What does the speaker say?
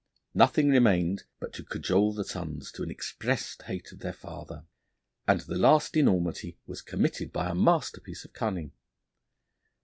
Nothing remained but to cajole the sons into an expressed hatred of their father, and the last enormity was committed by a masterpiece of cunning.